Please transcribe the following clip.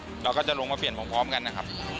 เราก็จะลงมาเปลี่ยนพร้อมกันนะครับ